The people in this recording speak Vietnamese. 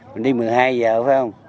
mình đi một mươi hai giờ phải không